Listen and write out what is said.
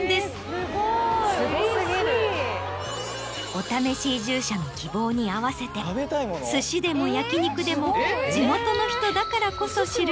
お試し移住者の希望に合わせて寿司でも焼き肉でも地元の人だからこそ知る。